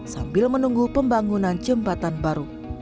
sambil menunggu pembangunan jembatan baru